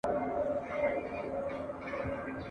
دا یو راز ورته څرګند دی که هوښیار دی او که نه دی !.